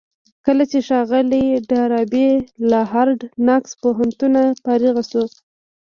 کله چې ښاغلی ډاربي له هارډ ناکس پوهنتونه فارغ شو.